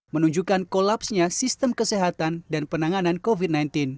menunjukkan kolapsnya sistem kesehatan dan penanganan covid sembilan belas